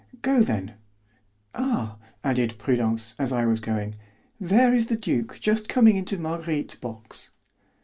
"Go, then. Ah," added Prudence, as I was going, "there is the duke just coming into Marguerite's box."